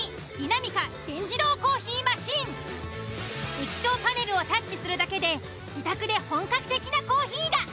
液晶パネルをタッチするだけで自宅で本格的なコーヒーが。